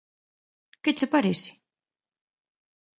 Que che parece?